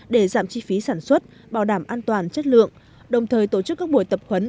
để giảm chi phí sản xuất bảo đảm an toàn chất lượng đồng thời tổ chức các buổi tập khuấn